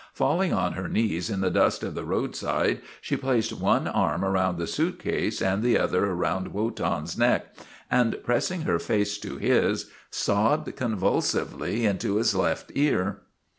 Falling on her knees in the dust of the roadside, she placed one arm about the suitcase and the other about Wotan's neck, and pressing her face to his, sobbed convulsively into his left ear.